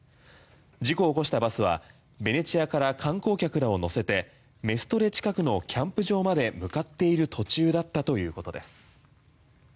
事故を起こしたバスはベネチアから観光客らを乗せてメストレ近くのキャンプ場まで向かっている途中だったということです。